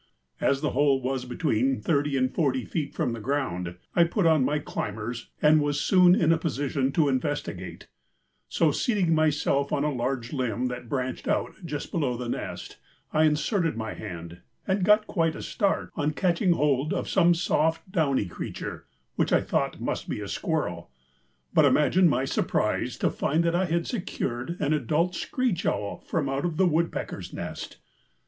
As the hole was between 30 and 40 feet from the ground, I put on my climbers and was soon in a position to investigate; so, seating myself on a large limb that branched out just below the nest, I inserted my hand, and got quite a start on catching hold of some soft, downy creature, which I thought must be a squirrel, but imagine my surprise to find that I had secured an adult screech owl from out of the woodpecker's nest.